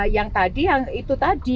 yang tadi yang itu tadi